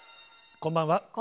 こんばんは。